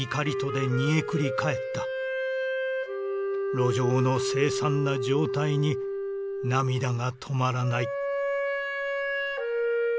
「路上の凄惨な状態に涙がとまらない」。